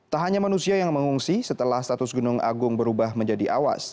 tak hanya manusia yang mengungsi setelah status gunung agung berubah menjadi awas